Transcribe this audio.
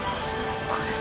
これ。